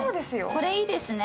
これいいですね。